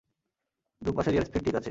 দুপাশের এয়ারস্পীড ঠিক আছে।